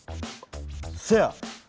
せや！